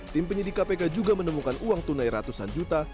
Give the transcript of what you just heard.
tim penyidik kpk juga menemukan uang tunai ratusan juta